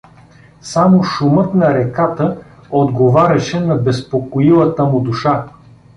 Само шумът на реката отговаряше на безпокоилата му душа.